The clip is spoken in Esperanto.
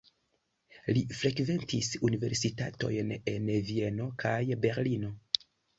Li frekventis universitatojn en Vieno kaj Berlino.